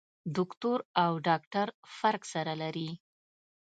دوکتور او ډاکټر فرق سره لري.